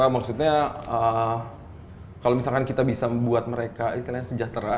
maksudnya kalau misalkan kita bisa membuat mereka istilahnya sejahtera